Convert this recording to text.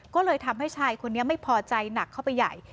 ก็เลยทำให้ชายคนนี้ไม่พอใจหนักเข้าไปใหญ่